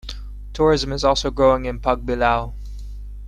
Tourism is also growing in Pagbilao.